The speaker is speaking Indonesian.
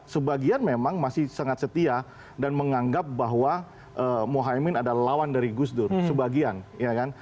sebagian memang masih sangat setia dan menganggap bahwa mohaimin adalah lawan dari gusdur sebagian